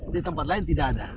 di tempat lain tidak ada